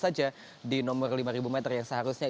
saja di nomor lima ribu meter yang seharusnya